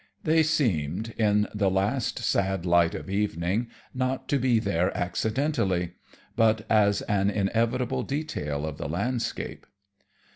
They seemed, in the last sad light of evening, not to be there accidentally, but as an inevitable detail of the landscape.